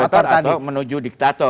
ya otoriter atau menuju diktator